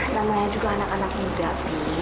namanya juga anak anak muda